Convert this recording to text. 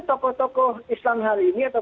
tokoh tokoh islam hari ini atau